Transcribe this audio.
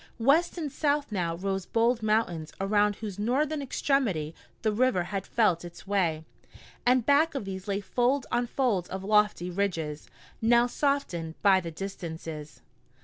West and south now rose bold mountains around whose northern extremity the river had felt its way, and back of these lay fold on fold of lofty ridges, now softened by the distances.